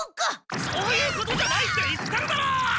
そういうことじゃないって言ってるだろ！